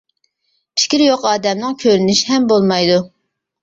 پىكرى يوق ئادەمنىڭ كۆرۈنۈشى ھەم بولمايدۇ.